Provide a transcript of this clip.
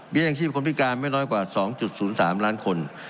อย่างชีพคนพิการไม่น้อยกว่า๒๐๓ล้านคน